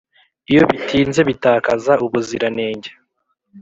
iyo bitinze bitakaza ubuziranenge.